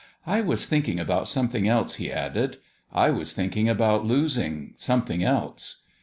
" I was thinking about some thing else," he added. " I was thinking about losing something else.